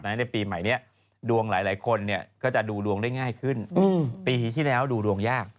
ในปีใหม่นี้ดวงหลายคนก็จะดูดวงได้ง่ายขึ้นปีที่แล้วดูดวงยาก